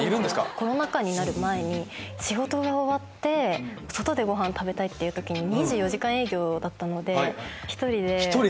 コロナ禍になる前に仕事が終わって外でごはん食べたいっていう時に２４時間営業だったので。